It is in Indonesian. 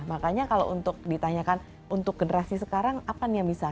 makanya kalau untuk ditanyakan untuk generasi sekarang apa nih yang bisa